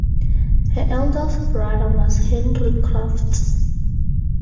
Her eldest brother was Henry Crofts.